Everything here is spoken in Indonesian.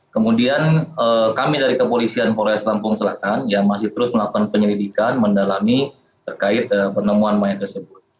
kemudian kami dari kepolisian polres lampung selatan yang masih terus melakukan penyelidikan mendalami terkait penemuan mayat tersebut